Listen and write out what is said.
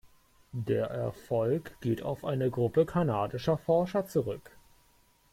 Der Erfolg geht auf eine Gruppe kanadischer Forscher zurück.